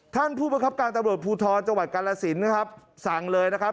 ท่านผู้ประคับการตำรวจภูทรจังหวัดกาลสินนะครับสั่งเลยนะครับ